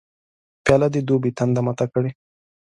پیاله د دوبي تنده ماته کړي.